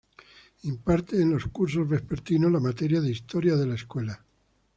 Imparte, en los cursos vespertinos, la materia de Historia de la Escuela.